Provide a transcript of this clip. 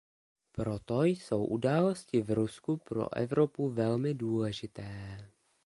Proto jsou události v Rusku pro Evropu velmi důležité.